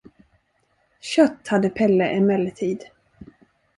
Kött hade Pelle emellertid.